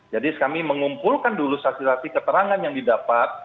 jadi kami mengumpulkan dulu saksilasi keterangan yang didapat